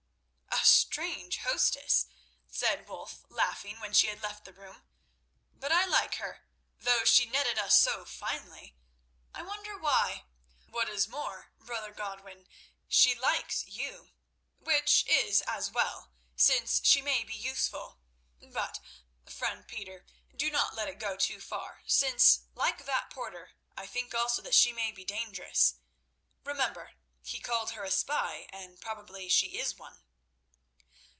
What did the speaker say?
"A strange hostess," said Wulf, laughing, when she had left the room; "but I like her, though she netted us so finely. I wonder why? What is more, brother Godwin, she likes you, which is as well, since she may be useful. But, friend Peter, do not let it go too far, since, like that porter, I think also that she may be dangerous. Remember, he called her a spy, and probably she is one."